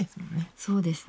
そうですね。